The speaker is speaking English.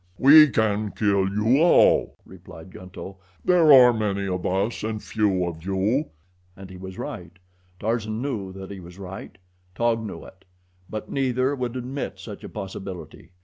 "We can kill you all," replied Gunto. "There are many of us and few of you," and he was right. Tarzan knew that he was right. Taug knew it; but neither would admit such a possibility.